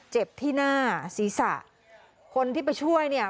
เจ็บที่หน้าศีรษะคนที่ไปช่วยเนี่ย